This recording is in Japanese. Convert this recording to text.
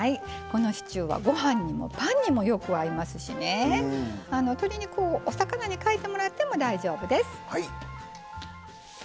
このシチューはご飯にもパンにもよく合いますし鶏肉をお魚に変えてもらっても大丈夫です。